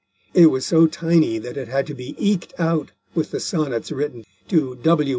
It was so tiny that it had to be eked out with the Sonnets written to W.